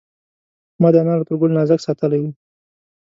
ما د انارو تر ګل نازک ساتلی و.